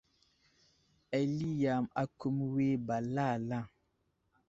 Ali yam akumiyo ba lala.